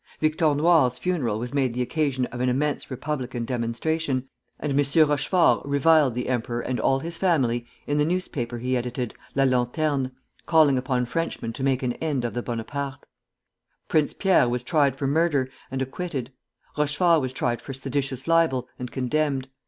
Victor Noir's funeral was made the occasion of an immense republican demonstration, and M. Rochefort reviled the emperor and all his family in the newspaper he edited, "La Lanterne," calling upon Frenchmen to make an end of the Bonapartes. Prince Pierre was tried for murder, and acquitted; Rochefort was tried for seditious libel, and condemned.